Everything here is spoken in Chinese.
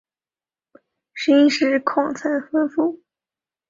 石英石矿藏丰富。